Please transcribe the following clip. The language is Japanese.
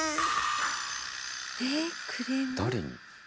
誰に？